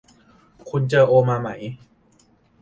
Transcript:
คุณเจอโอมาไหม